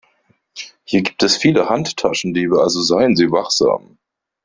Hier gibt es viele Handtaschendiebe, also seien Sie wachsam.